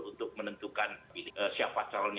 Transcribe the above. untuk menentukan siapa calonnya